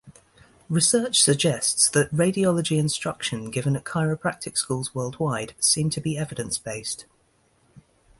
Research suggests that radiology instruction given at chiropractic schools worldwide seem to be evidence-based.